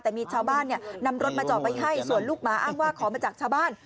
แต่มีชาวบ้านนำรถมาจอดไว้ให้ส่วนลูกหมาอ้างว่าขอมาจากชาวบ้าน